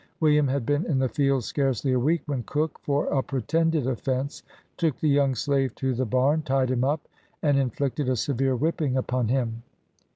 Wil liam had been in the field scarcely a week, when Cook, for a pretended offence, took the young slave to the barn, tied him up, and inflicted a severe whipping upon him.